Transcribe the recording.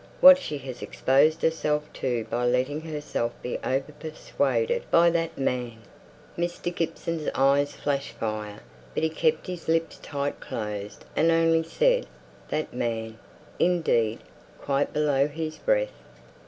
"What she has exposed herself to by letting herself be over persuaded by that man!" Mr. Gibson's eyes flashed fire. But he kept his lips tight closed; and only said, "'That man,' indeed!" quite below his breath.